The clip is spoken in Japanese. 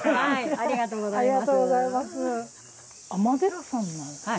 ありがとうございます。